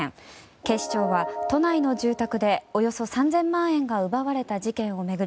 警視庁は都内の住宅でおよそ３０００万円が奪われた事件を巡り